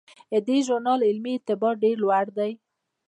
د دې ژورنال علمي اعتبار ډیر لوړ دی.